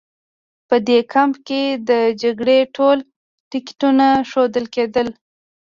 په دې کمپ کې د جګړې ټول تکتیکونه ښودل کېدل